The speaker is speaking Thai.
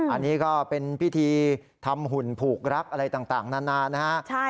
อันนี้ก็เป็นพิธีทำหุ่นผูกรักอะไรต่างนานานะฮะ